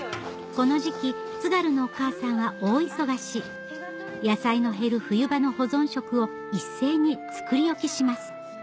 この時期津軽のお母さんは大忙し野菜の減る冬場の保存食を一斉に作り置きします